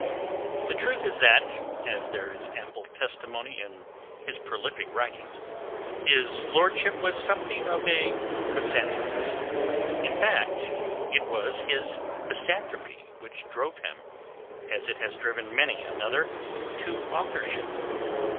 The truth is that—as there is ample testimony in his prolific writings—his lordship was something of a misanthropist. It was, in fact, his misanthropy which drove him, as it has driven many another, to authorship.